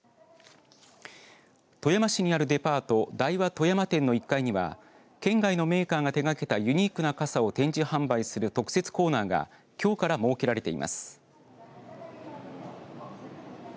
富山市にあるデパート大和富山店の１階には３つ県外のメーカーが手がけたユニークな傘を展示、販売する特設コーナーがきょうから設けられています。